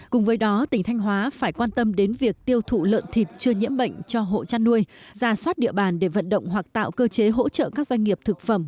cùng với đó tỉnh thanh hóa phải quan tâm đến việc tiêu thụ lợn thịt chưa nhiễm bệnh cho hộ chăn nuôi ra soát địa bàn để vận động hoặc tạo cơ chế hỗ trợ các doanh nghiệp thực phẩm